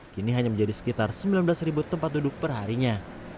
kini hanya menjadi sekitar sembilan belas tempat duduk perharinya